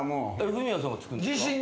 フミヤさんが作るんですか？